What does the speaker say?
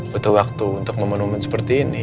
butuh waktu untuk memenuhi seperti ini